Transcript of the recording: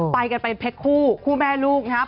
ไปกันเป็นเพชรคู่คู่แม่ลูกนะครับ